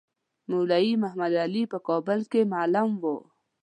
مولوی محمدعلي په کابل کې معلم وو.